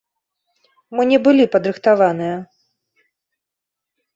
Мы не былі падрыхтаваныя.